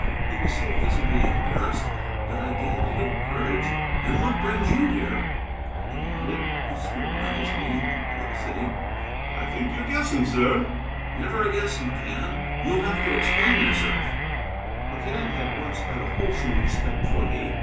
He was so visibly embarrassed that I gained a little courage. "And what brings you here?" I demanded. He scrutinized me in perplexity. "I think you're guessing, sir." "Never a guess, McCann. You'll have to explain yourself." McCann had once had a wholesome respect for me.